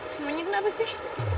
bukannya kenapa sih